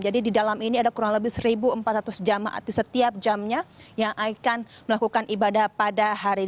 jadi di dalam ini ada kurang lebih seribu empat ratus jemaat di setiap jamnya yang akan melakukan ibadah pada hari